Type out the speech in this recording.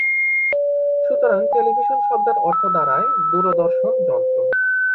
সুতরাং টেলিভিশন শব্দের অর্থ দাঁড়ায় দূরদর্শন যন্ত্র।